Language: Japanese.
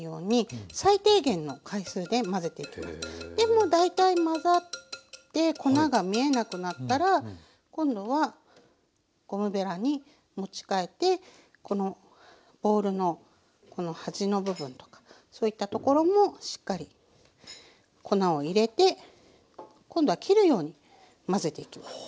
もう大体混ざって粉が見えなくなったら今度はゴムべらに持ち替えてこのボウルのこの端の部分とかそういったところもしっかり粉を入れて今度は切るように混ぜていきます。